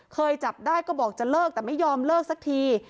เคยจับได้ก็บอกจะเลิกแต่ไม่ยอมเลิกสักที